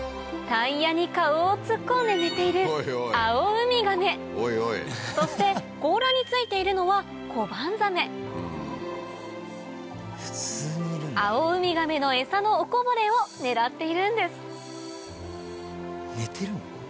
タイヤに顔を突っ込んで寝ているそして甲羅についているのはコバンザメアオウミガメのエサのおこぼれを狙っているんです寝てるの？